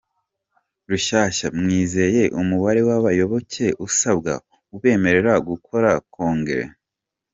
Rushyashya :Mwizeye umubare w’ abayoboke usabwa ubemerera gukora congere ?